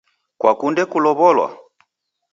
Kwakunde kulow'olwa?